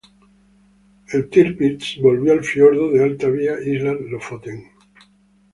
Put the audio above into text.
El "Tirpitz" volvió al fiordo de Alta vía Islas Lofoten.